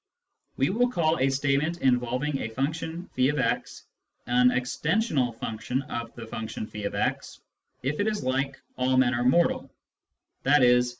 We will call a statement involving a function <f>x an " extensional " function of the function if>x, if it is like " all men are mortal," i.e.